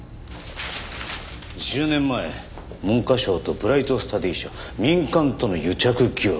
１０年前「文科省とブライトスタディ社民間との癒着疑惑」。